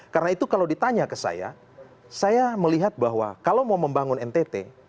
karena itu kalau ditanya ke saya saya melihat bahwa kalau mau membangun ntt